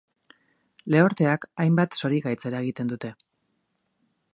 Lehorteak hainbat zorigaitz eragiten dute.